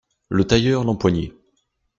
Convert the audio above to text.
Le tailleur l'empoignait.